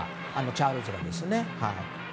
チャールズがですね。